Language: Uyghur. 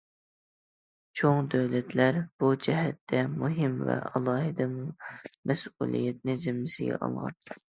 چوڭ دۆلەتلەر بۇ جەھەتتە مۇھىم ۋە ئالاھىدە مەسئۇلىيەتنى زىممىسىگە ئالغان.